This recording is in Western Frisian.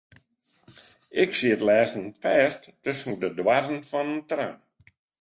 Ik siet lêsten fêst tusken de doarren fan in tram.